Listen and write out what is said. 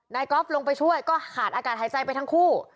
ก๊อฟลงไปช่วยก็ขาดอากาศหายใจไปทั้งคู่